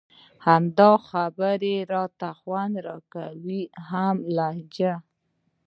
هم د هغه خبرو راته خوند راکاوه او هم يې لهجه.